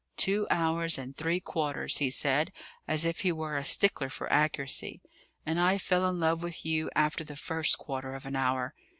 "Two hours and three quarters," he said, as if he were a stickler for accuracy; "and I fell in love with you after the first quarter of an hour.